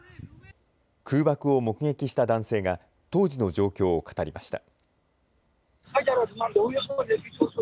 空爆を目撃した男性が当時の状況を語りました。